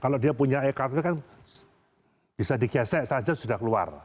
kalau dia punya ekt kan bisa digesek saja sudah keluar